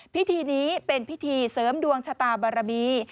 พิธีนี้เป็นพิธีเสริมดวงชะตาบารมี